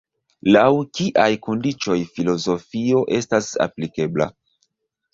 Laŭ kiaj kondiĉoj filozofio estas aplikebla?